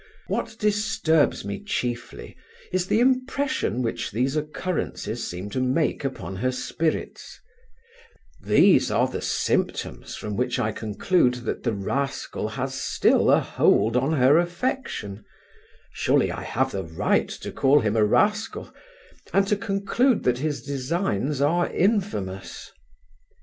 What disturbs me chiefly, is the impression which these occurrences seem to make upon her spirits These are the symptoms from which I conclude that the rascal has still a hold on her affection, surely I have a right to call him a rascal, and to conclude that his designs are infamous.